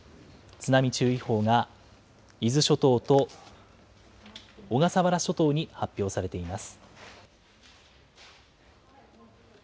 津波注意報が伊豆諸島と小笠原諸島に発表されています。